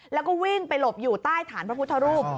แล้วก็วิ่งไปหลบอยู่ใต้ฐานพระพุทธรูป